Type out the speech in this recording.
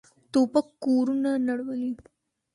توپک کورونه نړولي.